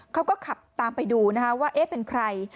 เขาก็ขับตามไปดูนะคะว่าเอ๊ะเป็นใคร